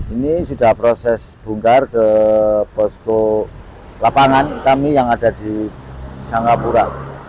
ini sudah proses bongkar ke posko lapangan kami yang ada di singapura